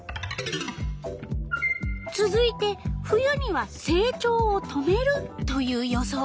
つづいて「冬には成長を止める」という予想。